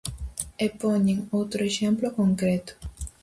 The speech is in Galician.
E poñen outro exemplo concreto.